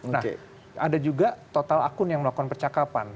nah ada juga total akun yang melakukan percakapan